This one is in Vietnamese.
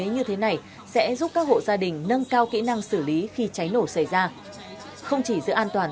như thế này sẽ giúp các hộ gia đình nâng cao kỹ năng xử lý khi cháy nổ xảy ra không chỉ giữ an toàn